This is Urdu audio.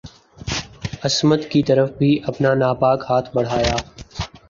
عصمت کی طرف بھی اپنا ناپاک ہاتھ بڑھایا